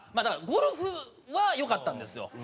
だからゴルフは良かったんですよ。